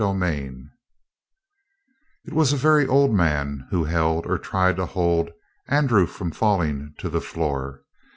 CHAPTER 23 It was a very old man who held, or tried to hold, Andrew from falling to the floor.